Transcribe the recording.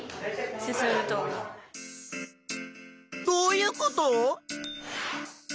どういうこと？